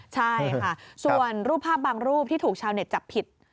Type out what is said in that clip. ใช่ค่ะส่วนรูปภาพบางรูปที่ถูกชาวเน็ตจับผิด